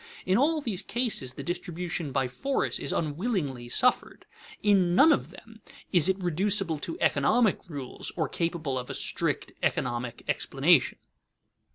In all these cases the distribution by force is unwillingly suffered. In none of them is it reducible to economic rules or capable of a strict economic explanation.